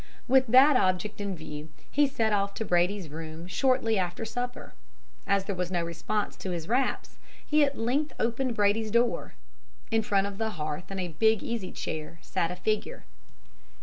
With that object in view he set off to Brady's room shortly after supper. As there was no response to his raps, he at length opened Brady's door. In front of the hearth in a big easy chair sat a figure.